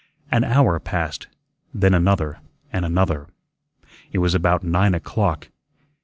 An hour passed, then another, and another. It was about nine o'clock.